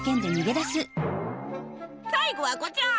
最後はこちら。